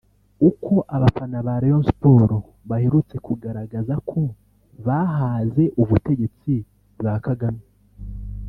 uko abafana ba Rayon Sport baherutse kugaragaza ko bahaze ubutegetsi bwa Kagame